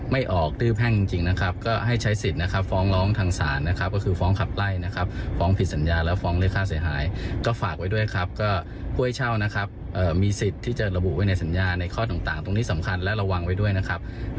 มีประโยชน์วางหยัดสารครบไลท์ก็จะมีคำนวิพักศาลนะครับ